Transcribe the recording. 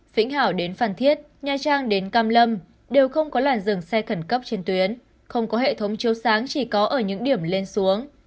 vĩnh hảo đến phan thiết nha trang đến cam lâm đều không có làn dừng xe khẩn cấp trên tuyến không có hệ thống chiếu sáng chỉ có ở những điểm lên xuống